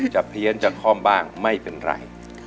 เพี้ยนจะคล่อมบ้างไม่เป็นไร